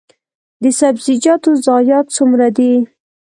د سبزیجاتو ضایعات څومره دي؟